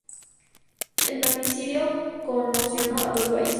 El magnicidio conmocionó a todo el país.